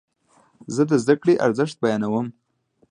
زه د زده کړې ارزښت بیانوم.